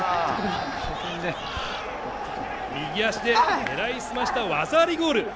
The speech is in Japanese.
右足で狙い澄ました技ありゴール！